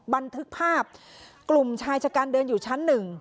บันทึกภาพกลุ่มชายชะกันเดินอยู่ชั้น๑